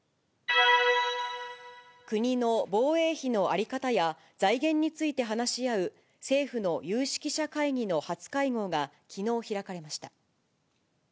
国の防衛費の在り方や、財源について話し合う政府の有識者会議の初会合がきのう開かれました。